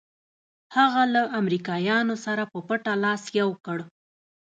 هغه له امریکایانو سره په پټه لاس یو کړ.